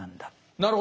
なるほど。